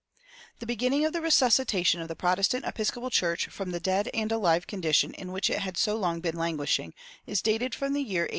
The beginning of the resuscitation of the Protestant Episcopal Church from the dead and alive condition in which it had so long been languishing is dated from the year 1811.